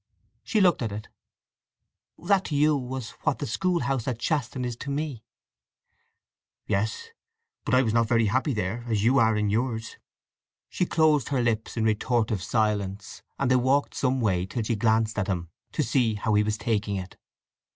She looked at it. "That to you was what the school house at Shaston is to me." "Yes; but I was not very happy there as you are in yours." She closed her lips in retortive silence, and they walked some way till she glanced at him to see how he was taking it.